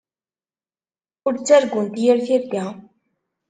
Ur ttargunt yir tirga.